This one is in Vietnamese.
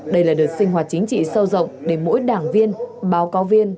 đây là đợt sinh hoạt chính trị sâu rộng để mỗi đảng viên báo cáo viên